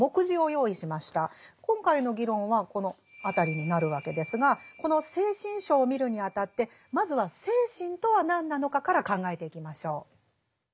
今回の議論はこの辺りになるわけですがこの「精神章」を見るにあたってまずは精神とは何なのかから考えていきましょう。